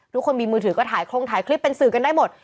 ทุกคนมีมือถือก็ถ่ายโครงถ่ายคลิปเป็นสื่อกันได้หมด